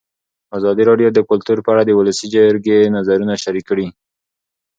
ازادي راډیو د کلتور په اړه د ولسي جرګې نظرونه شریک کړي.